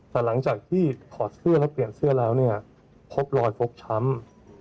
แต่หลังจากที่ถอดเสื้อแล้วเปลี่ยนเสื้อแล้วเนี่ยพบรอยฟกช้ำ